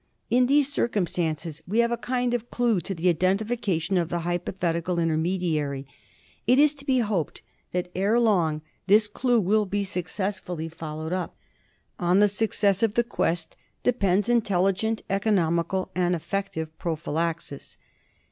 In these circumstances we have a kind of clue to the identification of the hypothetical intermediary. It is to be hoped that ere long this clue will be successfully followed up. On the success of the quest depends intelligent, economical, and effective pro phylaxis.